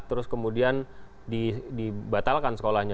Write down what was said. terus kemudian dibatalkan sekolahnya